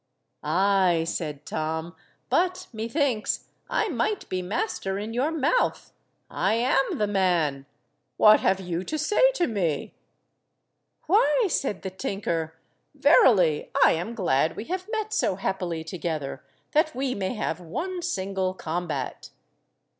"Ay!" said Tom, "but, methinks, I might be master in your mouth. I am the man: what have you to say to me?" "Why," said the tinker, "verily, I am glad we have met so happily together, that we may have one single combat."